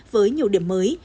với nhiều điểm mới